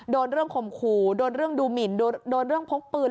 โดนเรื่องข่มขู่โดนเรื่องดูหมินโดนเรื่องพกปืน